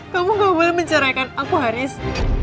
kamu gak boleh menceraikan aku haris